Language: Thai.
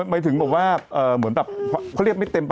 หมายถึงบอกว่าเขาเรียกไม่เต็มใบ